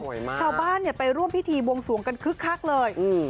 ชาวบ้านเนี่ยไปร่วมพิธีบวงสวงกันคึกคักเลยอืม